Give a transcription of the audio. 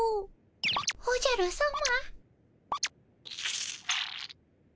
おじゃるさま。